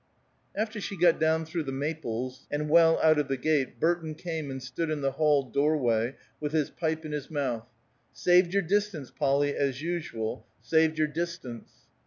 After she got down through the maples, and well out of the gate, Burton came and stood in the hall door way, with his pipe in his mouth. "Saved your distance, Polly, as usual; saved your distance."